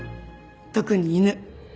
特に犬。